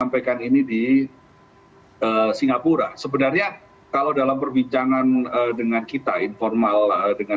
sampaikan ini di singapura sebenarnya kalau dalam perbincangan dengan kita informal dengan